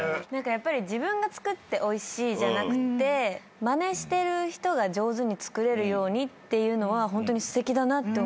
やっぱり自分が作っておいしいじゃなくてまねしてる人が上手に作れるようにっていうのはホントにすてきだなと思いました。